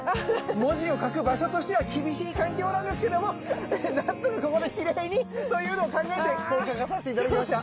文字を書く場所としては厳しい環境なんですけども何とかここできれいに！というのを考えてこう描かさせて頂きました。